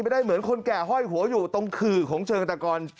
ได้เหมือนคนแก่ห้อยหัวอยู่ตรงขื่อของเชิงตะกร